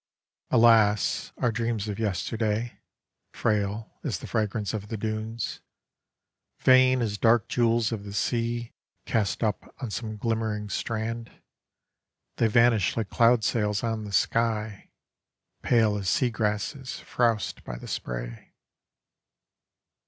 Alas, our dreaus of yesterday, Frail as the fragrance of tha dunes, Vain as dark jewels of the sea Cast up on so:ae glit ncering strand, They vanish like cloud sails on the sky , Pale as seagrasses frowsed by the spray.